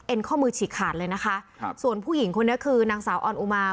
ข้อมือฉีกขาดเลยนะคะครับส่วนผู้หญิงคนนี้คือนางสาวออนอุมา